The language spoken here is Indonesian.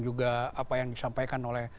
juga apa yang disampaikan oleh